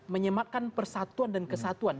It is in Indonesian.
menyematkan persatuan dan kesatuan